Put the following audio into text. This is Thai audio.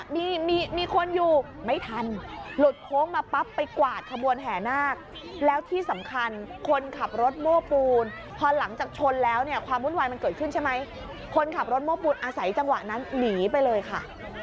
มีมีคนอยู่ไม่ทันหลุดโค้งมาปั๊บไปกวาดขบวนแห่นาคแล้วที่สำคัญคนขับรถโม้ปูนพอหลังจากชนแล้วเนี่ยความวุ่นวายมันเกิดขึ้นใช่ไหมคนขับรถโม้ปูนอาศัยจังหวะนั้นหนีไปเลยค่ะ